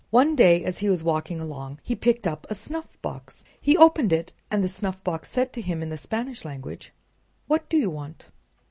One day, as he was walking along, he picked up a snuffbox. He opened it, and the snuffbox said to him in the Spanish language: "What do you want?"